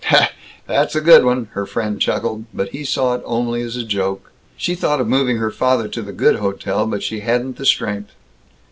"That's a good one!" her friend chuckled. But he saw it only as a joke. She thought of moving her father to the good hotel, but she hadn't the strength.